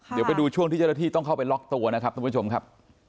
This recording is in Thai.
เดี๋ยวไปดูช่วงที่เจ้าหน้าที่ต้องเข้าไปล็อกตัวนะครับท่านผู้ชมครับ